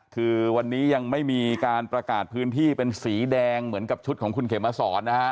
คือวันนี้ยังไม่มีการประกาศพื้นที่เป็นสีแดงเหมือนกับชุดของคุณเขมสอนนะฮะ